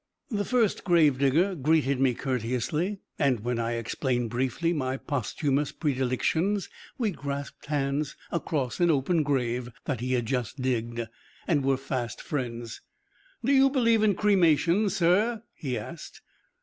The First Gravedigger greeted me courteously, and when I explained briefly my posthumous predilections we grasped hands across an open grave (that he had just digged) and were fast friends. "Do you believe in cremation, sir?" he asked.